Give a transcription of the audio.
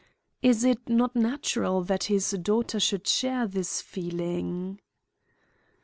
Is it not natural that his daughter should share this feeling?